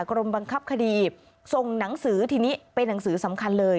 กรมบังคับคดีส่งหนังสือทีนี้เป็นหนังสือสำคัญเลย